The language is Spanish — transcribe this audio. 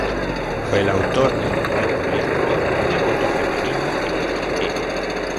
Fue el autor del primer proyecto de voto femenino en Argentina.